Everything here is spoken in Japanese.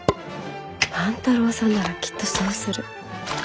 万太郎さんならきっとそうする。